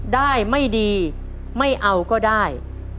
ได้ไม่ดีไม่เอาก็ได้